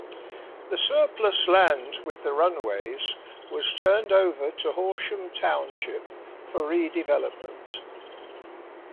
The surplus land with the runways was turned over to Horsham Township for redevelopment.